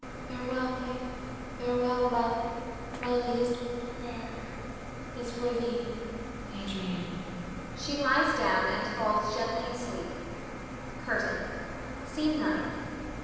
Farewell life, farewell love; my latest prayer is for thee, Adrian. [She lies down and falls gently asleep.] CURTAIN. SCENE NINTH.